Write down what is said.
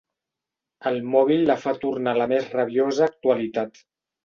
El mòbil la fa tornar a la més rabiosa actualitat.